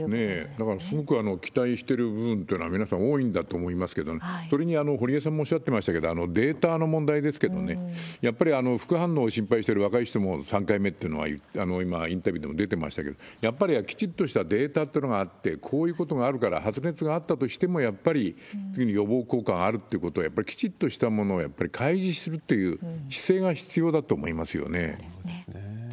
だからすごく期待してる部分というのは、皆さん多いんだと思いますけれどもね、それに堀さんもおっしゃってましたけれども、データの問題ですけどね、やっぱり副反応を心配してる若い人も、３回目っていうのは、今インタビューでも出てましたけれども、やっぱりきちっとしたデータというのがあって、こういうことがあるから、発熱があったとしても、やっぱり次に予防効果があるということは、やっぱりきちっとしたものをやっぱり開示するという姿勢が必要だそうですね。